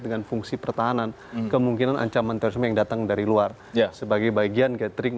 dengan fungsi pertahanan kemungkinan ancaman terorisme yang datang dari luar sebagai bagian gathering